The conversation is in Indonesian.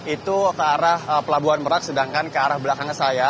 itu ke arah pelabuhan merak sedangkan ke arah belakang saya